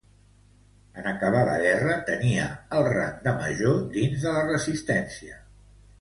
En acabar la guerra tenia el rang de major dins de la Resistència.